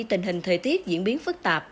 tình hình thời tiết diễn biến phức tạp